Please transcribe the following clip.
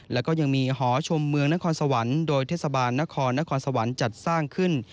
แล้วก็ยังมีหอชมเมืองนครสวรรค์โดยเทศบาลนครนครสวรรค์จัดสร้างขึ้น